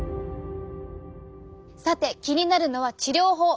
さて気になるのは治療法。